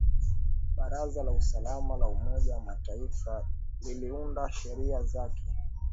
baraza la usalama la umoja wa mataifa liliunda sheria zake